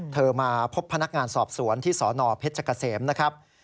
มาพบพนักงานสอบสวนที่สนเพชรเกษมนะครับ